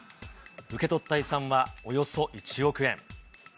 受け取った遺産はおよそ１億円。